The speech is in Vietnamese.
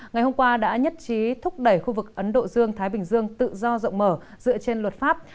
ngày hôm qua đã nhất trí thúc đẩy khu vực ấn độ dương thái bình dương tự do rộng mở dựa trên luật pháp